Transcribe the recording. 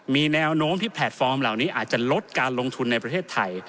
มีแนวโน้มที่แพลตฟอร์มเหล่านี้อาจจะลดการลงทุนในประเทศไทย